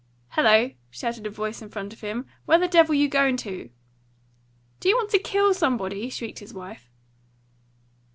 "Hello!" shouted a voice in front of him. "Where the devil you goin' to?" "Do you want to KILL somebody!" shrieked his wife.